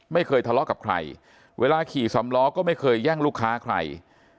ไม่เคยทะเลาะกับใครเวลาขี่สำล้อก็ไม่เคยแย่งลูกค้าใคร